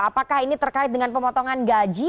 apakah ini terkait dengan pemotongan gaji